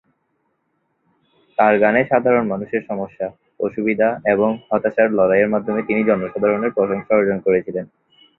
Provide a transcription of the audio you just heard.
তার গানে সাধারণ মানুষের সমস্যা, অসুবিধা এবং হতাশার লড়াইয়ের মাধ্যমে তিনি জনসাধারণের প্রশংসা অর্জন করেছিলেন।